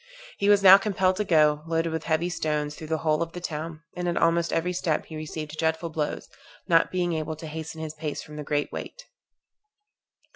He was now compelled to go, loaded with heavy stones, through the whole of the town; and at almost every step he received dreadful blows, not being able to hasten his pace from the great weight.